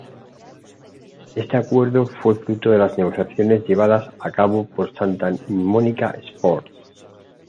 Este acuerdo fue fruto de las negociaciones llevadas a cabo por Santa Mónica Sports.